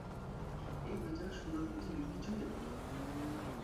এই বেচারা সুন্দর পৃথিবীর কিছুই দেখল না।